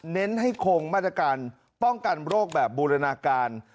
เน้นให้คงมาตรการป้องกันโรคแบบบูรณาการ